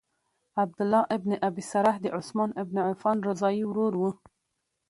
عبدالله بن ابی سرح د عثمان بن عفان رضاعی ورور وو.